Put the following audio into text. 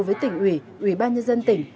với tỉnh ủy ủy ban nhân dân tỉnh